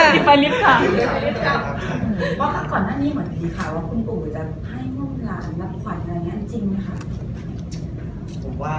ตอนนี้คุณปู่จะให้มุมหลานรับฝันอะไรอย่างนี้จริงหรือคะ